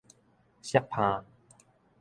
鑠奅